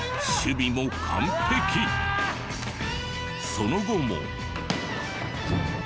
その後も。